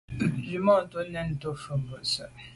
Nzwimàntô nèn ndo’ fotmbwe se.